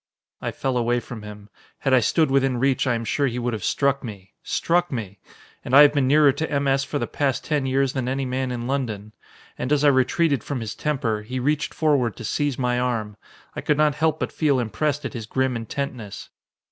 I fell away from him. Had I stood within reach, I am sure he would have struck me. Struck me! And I have been nearer to M. S. for the past ten years than any man in London. And as I retreated from his temper, he reached forward to seize my arm. I could not help but feel impressed at his grim intentness.